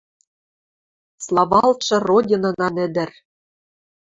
Славалтшы Родинынан ӹдӹр!..